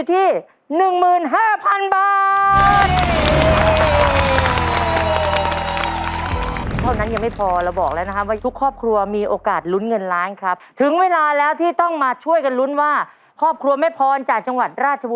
ตอนนี้ประเที่ยว๑๐กรัมนะครับ